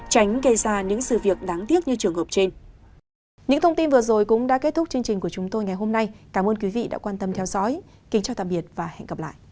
tránh gây ra những sự việc đáng tiếc như trường hợp trên